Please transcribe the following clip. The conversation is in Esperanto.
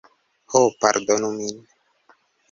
Ho, pardonu min.